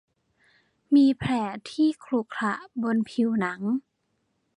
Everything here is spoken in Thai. มีแผลที่ขรุขระบนผิวหนัง